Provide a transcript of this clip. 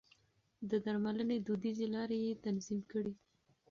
د درملنې دوديزې لارې يې تنظيم کړې.